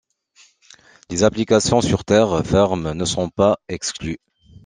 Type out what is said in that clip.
Les applications sur terre ferme ne sont pas exclus.